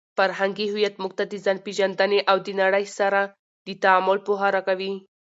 فرهنګي هویت موږ ته د ځانپېژندنې او د نړۍ سره د تعامل پوهه راکوي.